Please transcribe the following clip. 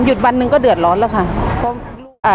หยุดวันหนึ่งก็เดือดร้อนแล้วค่ะ